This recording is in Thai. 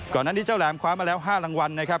ก่อนหน้านี้เจ้าแหลมคว้ามาแล้ว๕รางวัลนะครับ